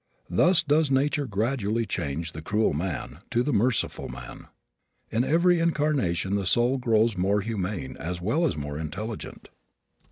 Thus does nature gradually change the cruel man to the merciful man. In every incarnation the soul grows more humane as well as more intelligent.